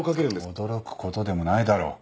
驚くことでもないだろう。